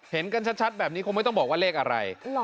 เห็นกันชัดแบบนี้คงไม่ต้องบอกว่าเลขอะไร